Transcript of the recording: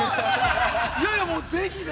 ◆いやいや、もうぜひね。